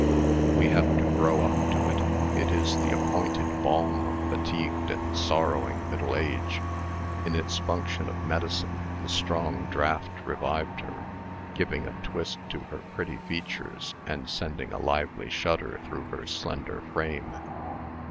We have to grow up to it. It is the appointed balm of fatigued and sorrowing middle age. In its function of medicine, the strong draught revived her, giving a twist to her pretty features, and sending a lively shudder through her slender frame.